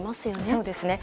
そうですね。